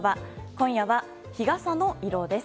今夜は日傘の色です。